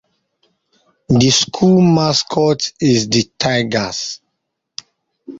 The school mascot is The Tigers.